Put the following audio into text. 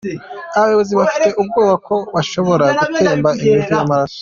Abayobozi bafite ubwoba ko hashobora gutemba imivu y’amaraso.